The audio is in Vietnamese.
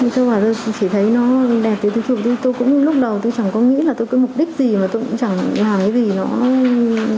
tôi chỉ thấy nó đẹp tôi cũng lúc đầu tôi chẳng có nghĩ là tôi có mục đích gì mà tôi cũng chẳng làm cái gì nó ấy cả